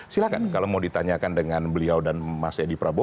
silahkan kalau mau ditanyakan dengan beliau dan mas edi prabowo